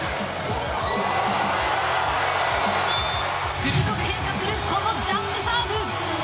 鋭く変化するこのジャンプサーブ。